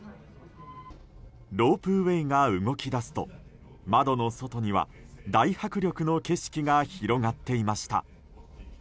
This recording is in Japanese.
ロープウェーが動き出すと窓の外には大迫力の景色が広がっていました。